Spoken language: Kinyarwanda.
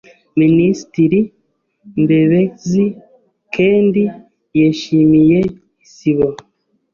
Minisitiri Mbebezi kendi yeshimiye Isibo